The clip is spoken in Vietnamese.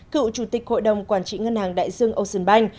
cựu chủ tịch hội đồng quản trị ngân hàng đại dương ocean bank